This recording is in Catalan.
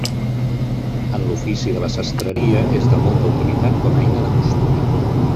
En l'ofici de la sastreria és de molta utilitat com eina de costura.